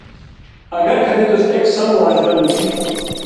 اگر کہ بِتُس اک سم معاشرہ لُکِھگ تھو